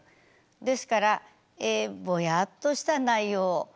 ですからぼやっとした内容が多い。